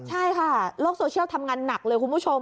ใช่ค่ะโลกโซเชียลทำงานหนักเลยคุณผู้ชม